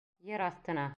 Ер аҫтына.